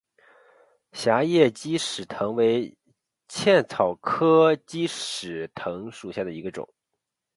狭叶鸡矢藤为茜草科鸡矢藤属下的一个种。